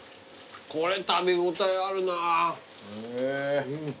これ食べ応えあるなー。